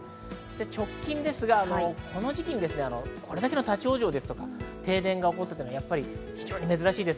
直近ですが、この時期にこれだけの立ち往生とか停電が起こったのはやっぱり非常に珍しいです。